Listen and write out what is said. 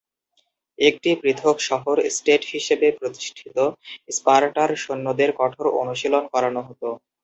একটি পৃথক শহর-স্টেট হিসেবে প্রতিষ্ঠিত স্পার্টার সৈন্যদের কঠোর অনুশীলন করানো হত।